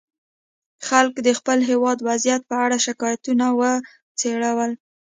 خلکو د خپل هېواد وضعیت په اړه شکایتونه وځړول.